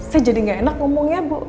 sih jadi gak enak ngomongnya bu